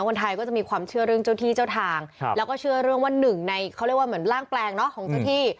คนไทยก็จะมีความเชื่อเรื่องเจ้าที่เจ้าทางแล้วก็เชื่อเรื่องว่าหนึ่งในเขาเรียกว่าเหมือนร่างแปลงเนาะของเจ้าที่